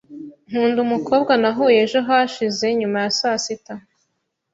Nkunda umukobwa nahuye ejo hashize nyuma ya saa sita.